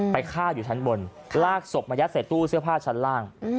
ไปฆ่าอยู่ชั้นบนลากศพมายัดใส่ตู้เสื้อผ้าชั้นล่าง